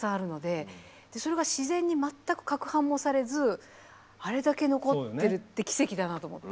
それが自然に全く攪拌もされずあれだけ残ってるって奇跡だなと思って。